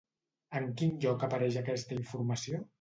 En quin lloc apareix aquesta informació?